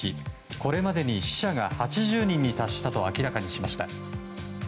これまでに死者が８０人に達したと明らかにしました。